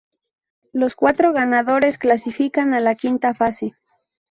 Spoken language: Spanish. Los cuatro ganadores clasifican a la Quinta Fase.